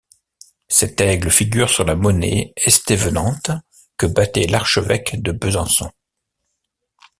Cette aigle figure sur la monnaie estévenante que battait l'archevêque de Besançon.